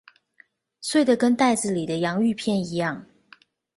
碎得跟袋子裡的洋芋片一樣